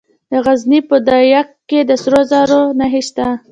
د غزني په ده یک کې د سرو زرو نښې شته.